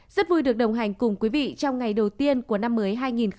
rất vui được đồng hành cùng quý vị trong ngày đầu tiên của năm mới hai nghìn hai mươi